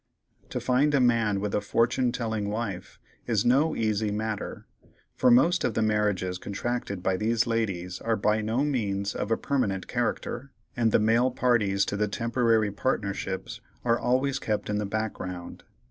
To find a man with a fortune telling wife is no easy matter, for most of the marriages contracted by these ladies are by no means of a permanent character, and the male parties to the temporary partnerships are always kept in the background.